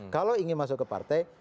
kalau ingin masuk ke partai